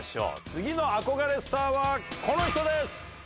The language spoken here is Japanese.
次の憧れスターはこの人です。